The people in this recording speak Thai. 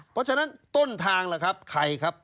เพราะฉะนั้นต้นทางล่ะครับใครครับ